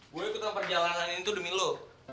gue ikutan perjalanan ini tuh demi lu